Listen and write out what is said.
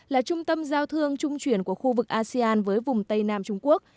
là trung tâm giao thương trung chuyển của khu vực asean với vùng tây nam trung quốc